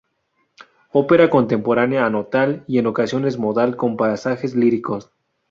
Ópera contemporánea atonal y en ocasiones modal con pasajes líricos.